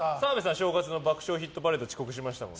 正月の「爆笑ヒットパレード」遅刻しましたもんね。